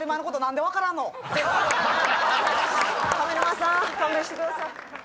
上沼さん勘弁してください。